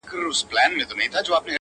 په سلا کي د وزیر هیڅ اثر نه وو!